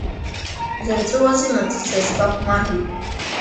Бзырҵәуозеи, Маҵиса, сбахәмаруеит.